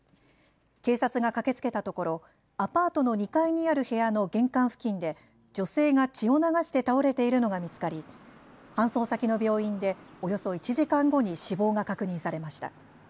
警察が駆けつけたところアパートの２階にある部屋の玄関付近で女性が血を流して倒れているのが見つかり搬送先の病院でおよそ１時間後に死亡が確認されました。